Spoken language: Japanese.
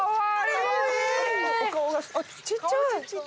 ちっちゃい！